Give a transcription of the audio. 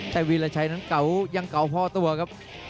แต่วีรชัยนั้นเก่ายังเก่าพอตัวครับ